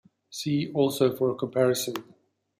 See also for a comparison.